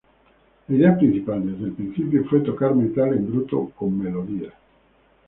La idea principal desde el principio fue a tocar metal en bruto con melodías.